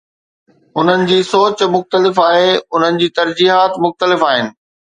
انهن جي سوچ مختلف آهي، انهن جي ترجيحات مختلف آهن.